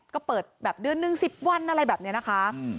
ก็เปิดแบบเดือนหนึ่ง๑๐วันอะไรแบบนี้นะคะ